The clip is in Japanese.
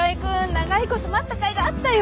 長いこと待ったかいがあったよ！